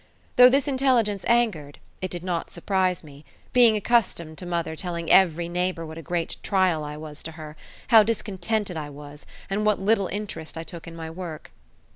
Though this intelligence angered, it did not surprise me, being accustomed to mother telling every neighbour what a great trial I was to her how discontented I was, and what little interest I took in my work.